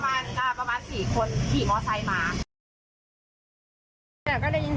แล้วก็มีรถอ่ะมาเจาะตรงนี้มีผู้ชายขับอ่ะคนหนึ่ง